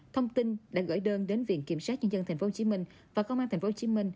thông tin đã gửi đơn đến viện kiểm sát nhân dân tp hcm và công an tp hcm